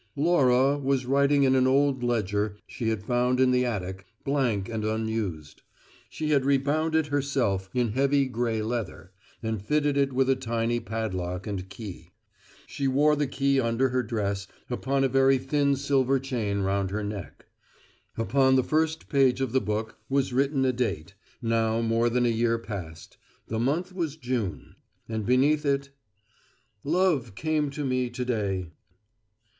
Laura was writing in an old ledger she had found in the attic, blank and unused. She had rebound it herself in heavy gray leather; and fitted it with a tiny padlock and key. She wore the key under her dress upon a very thin silver chain round her neck. Upon the first page of the book was written a date, now more than a year past, the month was June and beneath it: "Love came to me to day."